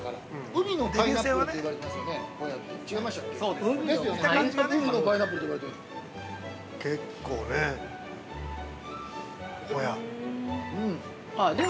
◆海のパイナップルって呼ばれてますよね、ホヤって。